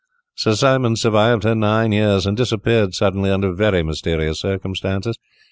Sir Simon survived her nine years, and disappeared suddenly under very mysterious circumstances.